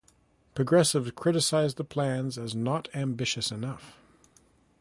Progressives criticized the plans as not ambitious enough.